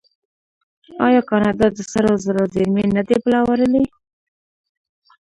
آیا کاناډا د سرو زرو زیرمې نه دي پلورلي؟